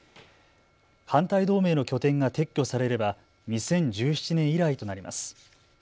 反対同盟の拠点が撤去されれば２０１７年以来となります。